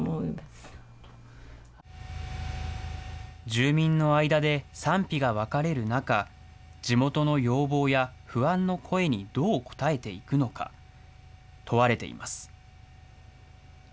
住民の間で賛否が分かれる中、地元の要望や不安の声にどう応えていくのか、問われています。